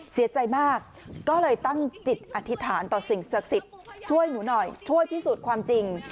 เสียใจมากก็เลยตั้งจิตอธิษฐานต่อสิ่งศักดิ์สิทธิ์ช่วยหนูหน่อยช่วยพิสูจน์ความจริง